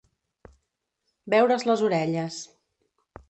Veure's les orelles.